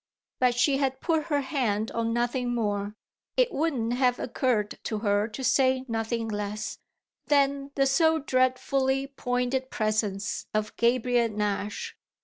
But she had put her hand on nothing more it wouldn't have occurred to her to say nothing less than the so dreadfully pointed presence of Gabriel Nash.